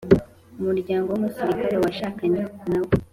umuryango w umusirikare uwashakanye nawe